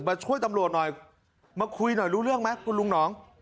ช่วยตำรวจหน่อยมาคุยหน่อยรู้เรื่องไหมคุณลุงหนอง